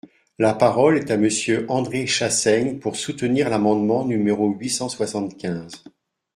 La parole est à Monsieur André Chassaigne, pour soutenir l’amendement numéro huit cent soixante-quinze.